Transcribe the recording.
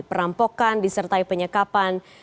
perampokan disertai penyekapan